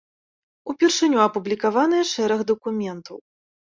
Упершыню апублікаваныя шэраг дакументаў.